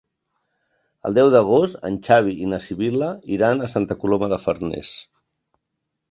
El deu d'agost en Xavi i na Sibil·la iran a Santa Coloma de Farners.